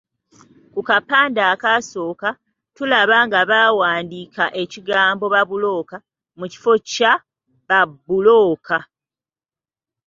Ku kapande akasooka tulaba nga baawandiika ekigambo ‘Babuloka’ mu kifo kya ‘Ba bbulooka.’